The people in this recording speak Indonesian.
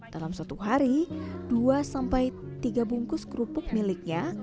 dalam satu hari dua sampai tiga bungkus kerupuk miliknya